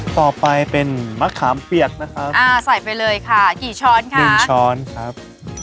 ต่อไปเป็นมะขามเปียกนะครับอ่าใส่ไปเลยค่ะกี่ช้อนค่ะกี่ช้อนครับ